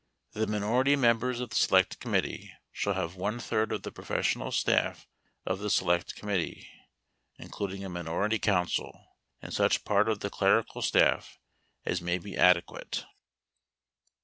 1244 14 1 The minority members of the select committee shall have one 2 third of the professional staff of the select committee (includ 3 ing a minority counsel) and such part of the clerical staff 4 as may be adequate.